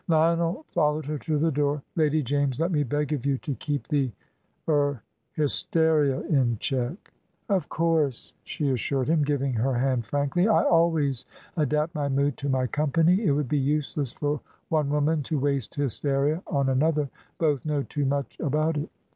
Lionel followed her to the door. "Lady James, let me beg of you to keep the er hysteria in check." "Of course," she assured him, giving her hand frankly; "I always adapt my mood to my company. It would be useless for one woman to waste hysteria on another both know too much about it.